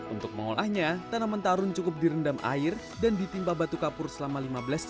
untuk mengolahnya tanaman tarum cukup direndam air dan ditimpa batu kapur selama lima tahun